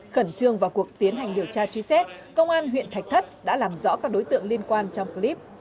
khẩn trương vào cuộc tiến hành điều tra truy xét công an huyện thạch thất đã làm rõ các đối tượng liên quan trong clip